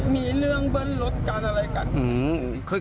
มีเรื่องเบิ้ลรถกันอะไรกัน